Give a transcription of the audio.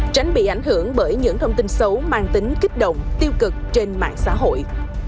tránh bị ảnh hưởng bởi những thông tin xấu mang tính kích động tiêu cực trên mạng xã hội